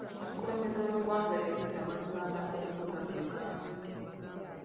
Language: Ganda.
Omukulembeze w'eggwanga yayita abaazirwanako okudda mu Uganda .